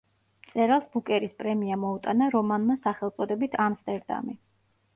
მწერალს ბუკერის პრემია მოუტანა რომანმა სახელწოდებით „ამსტერდამი“.